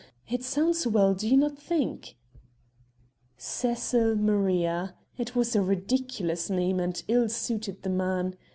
It sounds well do not you think?" Cecil Maria! It was a ridiculous name and ill suited the man.